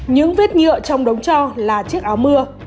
những vết nhựa trong đống cho là chiếc áo mưa